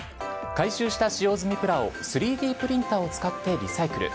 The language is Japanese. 回収した使用済みプラを３Ｄプリンターを使ってリサイクル。